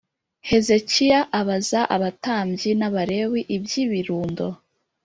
Hezekiya abaza abatambyi n Abalewi iby ibirundo